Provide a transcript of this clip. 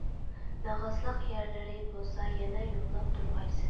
مېغىزلىق يەرلىرى بولسا يەنە يوللاپ تۇرغايسىز.